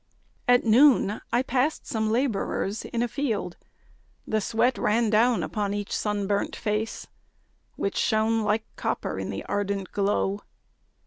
At noon I passed some labourers in a field. The sweat ran down upon each sunburnt face, Which shone like copper in the ardent glow.